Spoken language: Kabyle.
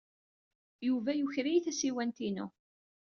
Yuba yuker-iyi tasiwant-inu.